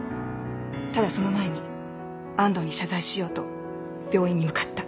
ただその前に安藤に謝罪しようと病院に向かった。